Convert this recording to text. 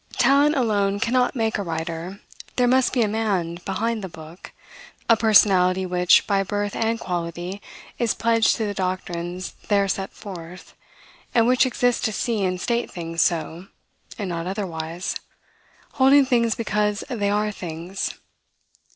Talent alone cannot make a writer. There must be a man behind the book; a personality which, by birth and quality, is pledged to the doctrines there set forth, and which exists to see and state things so, and not otherwise; holding things because they are things.